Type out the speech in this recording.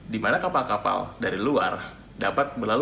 di mana kapal kapal dari luar dapat berlalu